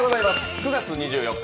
９月２４日